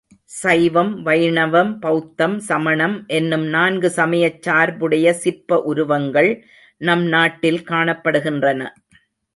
சைவம், வைணவம், பௌத்தம், சமணம் என்னும் நான்கு சமயச் சார்புடைய சிற்ப உருவங்கள் நம் நாட்டில் காணப்படுகின்றன.